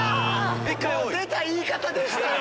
出た言い方でしたよ！